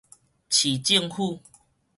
市政府